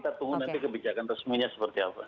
kita tunggu nanti kebijakan resminya seperti apa